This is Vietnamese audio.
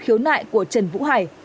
khiếu nại của trần vũ hải